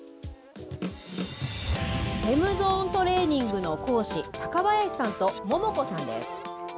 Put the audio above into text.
フェムゾーントレーニングの講師、高林さんとモモコさんです。